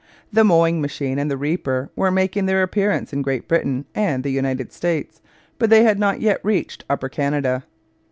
The mowing machine and the reaper were making their appearance in Great Britain and the United States, but they had not yet reached Upper Canada.